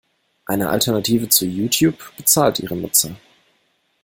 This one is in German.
Eine Alternative zu YouTube bezahlt Ihre Nutzer.